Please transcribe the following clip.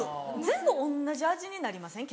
全部同じ味になりません？